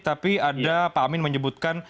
tapi ada pak amin menyebutkan